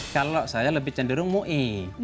kalau saya lebih cenderung mui